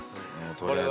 とりあえず。